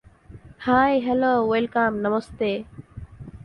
High, hello, welcome, namaste!